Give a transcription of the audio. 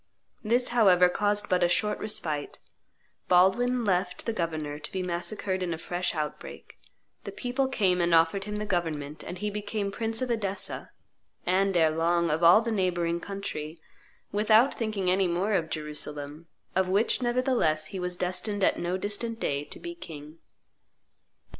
This, however, caused but a short respite; Baldwin left the governor to be massacred in a fresh outbreak; the people came and offered him the government, and he became Prince of Edessa, and, ere long, of all the neighboring country, without thinking any more of Jerusalem, of which, nevertheless, he was destined at no distant day to be king.